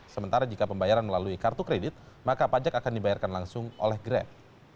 sementara jika pembayaran melalui kartu kredit maka pajak akan dibayarkan langsung oleh grab